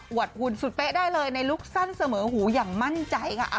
หุ่นสุดเป๊ะได้เลยในลุคสั้นเสมอหูอย่างมั่นใจค่ะ